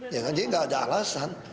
ya kan jadi nggak ada alasan